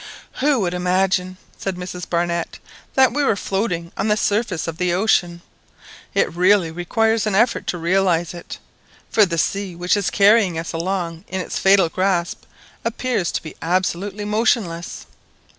"Who would imagine," said Mrs Barnett, "that we were floating on the surface of the ocean! It really requires an effort to realise it, for the sea which is carrying us along in its fatal grasp appears to be absolutely motionless!"